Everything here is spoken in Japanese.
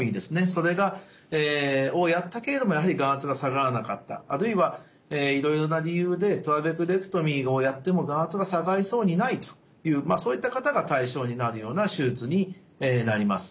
それをやったけれどもやはり眼圧が下がらなかったあるいはいろいろな理由でトラベクレクトミーをやっても眼圧が下がりそうにないというそういった方が対象になるような手術になります。